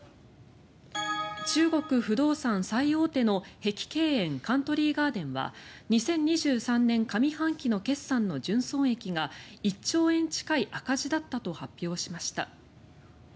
中国不動産最大手の碧桂園、カントリー・ガーデンは２０２３年上半期の決算の純損益が１兆円近い赤字だったと発表しました。